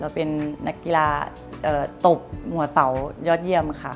เราก็เป็นนักกีฬาตบมัวเสายศเยี่ยม